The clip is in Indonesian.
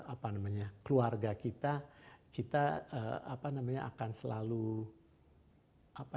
apa namanya keluarga kita kita apa namanya akan selalu apa